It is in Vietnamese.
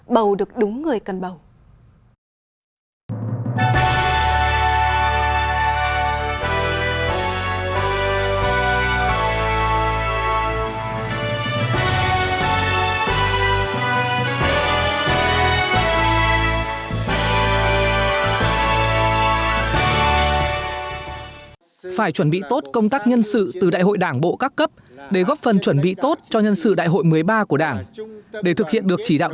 bầu được đúng người cần bầu